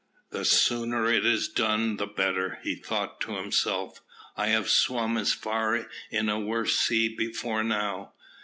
"The sooner it is done, the better," he thought to himself. "I have swum as far in a worse sea before now."